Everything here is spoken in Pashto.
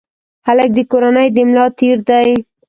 هلک د کورنۍ د ملا تیر دی.